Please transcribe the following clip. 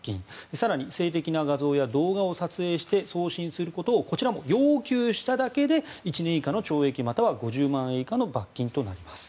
更に性的な画像や動画を撮影して送信することをこちらも要求しただけで１年以下の懲役または５０万円以下の罰金となります。